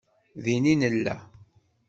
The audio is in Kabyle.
Din i nella